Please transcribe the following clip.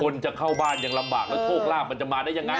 จะเข้าบ้านยังลำบากแล้วโชคลาภมันจะมาได้ยังไง